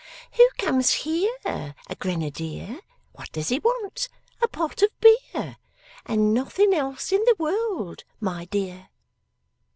Who comes here? A Grenadier. What does he want? A pot of beer. And nothing else in the world, my dear!